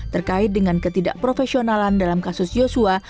terkait dengan ketidakprofesionalan dalam kasus yosua